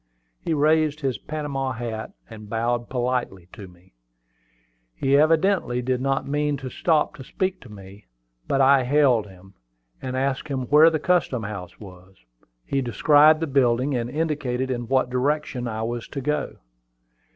He raised his Panama hat, and bowed politely to me. He evidently did not mean to stop to speak to me; but I hailed him, and asked where the custom house was. He described the building, and indicated in what direction I was to go.